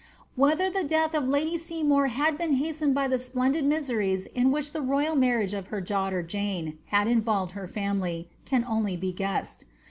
Wliether the deith of Lady Seymour had been hastened by the splendid miseries in vbich the ro3ral marriage of her daughter Jane had involved her family, can only be guessed.